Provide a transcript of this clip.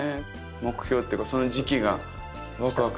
目標というかその時期がワクワクする。